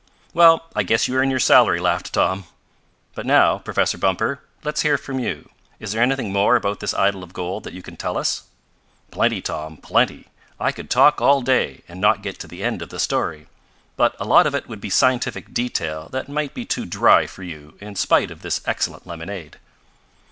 "Well, I guess you earn your salary," laughed Tom. "But now, Professor Bumper, let's hear from you. Is there anything more about this idol of gold that you can tell us?" "Plenty, Tom, plenty. I could talk all day, and not get to the end of the story. But a lot of it would be scientific detail that might be too dry for you in spite of this excellent lemonade."